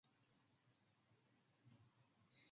Hancock is a prohibition or dry county.